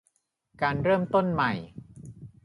การเริ่มต้นใหม่